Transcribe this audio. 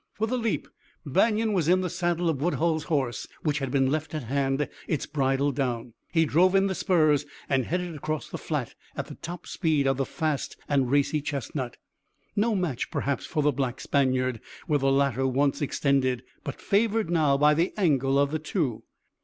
With a leap, Banion was in the saddle of Woodhull's horse, which had been left at hand, its bridle down. He drove in the spurs and headed across the flat at the top speed of the fast and racy chestnut no match, perhaps, for the black Spaniard, were the latter once extended, but favored now by the angle of the two.